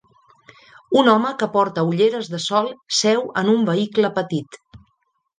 Un home que porta olleres de sol seu en un vehicle petit